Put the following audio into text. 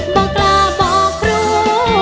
บอกกล้าบอกครูแต่หนูกล้าบอกอาย